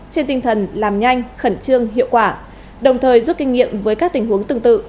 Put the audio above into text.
trên tinh thần làm nhanh khẩn trương hiệu quả đồng thời rút kinh nghiệm với các tình huống tương tự